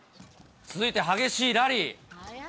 続いて激しいラリー。